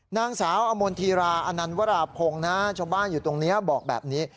นางสาวอมนธีราอนันวราพงศ์นะชาวบ้านอยู่ตรงนี้บอกแบบนี้